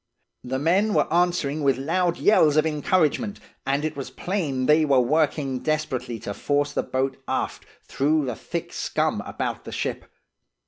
The men were answering with loud yells of encouragement, and it was plain they were working desperately to force the boat aft through the thick scum about the ship.